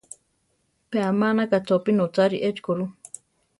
Pe amánaka chopí notzári echi ko ru.